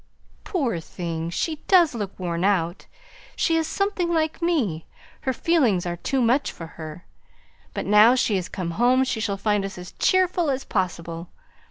"Poor thing! she does look worn out. She is something like me, her feelings are too much for her. But now she is come home she shall find us as cheerful as possible.